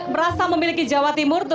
merasa memiliki jawa timur